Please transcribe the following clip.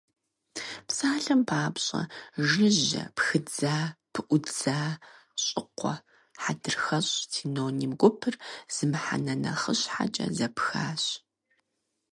Псалъэм папщӏэ, жыжьэ, пхыдза, пыӀудза, щӀыкъуэ, хьэдрыхэщӀ – синоним гупыр зы мыхьэнэ нэхъыщхьэкӀэ зэпхащ.